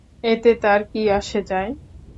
এতে তার কী আসে যায়?